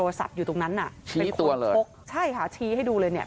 โทรศัพท์อยู่ตรงนั้นน่ะชี้ตัวเลยใช่ค่ะชี้ให้ดูเลยเนี่ย